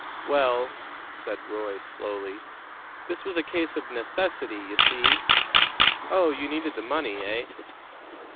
"Well," said Roy slowly, "this was a case of necessity, you see." "Oh, you needed the money, eh?"